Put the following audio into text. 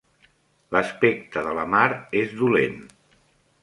L'aspecte de la mar és dolent.